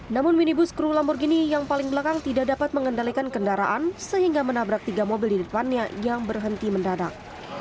namun minibus kru lamborghini yang paling belakang tidak dapat mengendalikan kendaraan sehingga menabrak tiga mobil di depannya yang berhenti mendadak